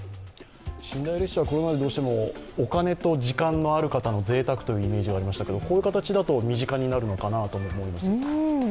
寝台列車はこれまでお金と時間のある方のぜいたくだと思っていましたがこういう形だと身近になるのかなと思います。